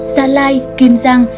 gia lai kiên giang